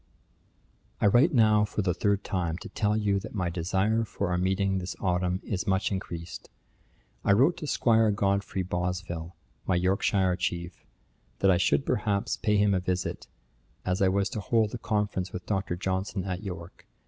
'I write now for the third time, to tell you that my desire for our meeting this autumn, is much increased. I wrote to Squire Godfrey Bosville, my Yorkshire chief, that I should, perhaps, pay him a visit, as I was to hold a conference with Dr. Johnson at York.